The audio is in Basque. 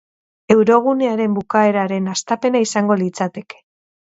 Eurogunearen bukaeraren hastapena izango litzateke.